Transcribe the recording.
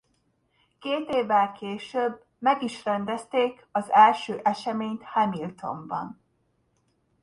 Két évvel később meg is rendezték az első eseményt Hamiltonban.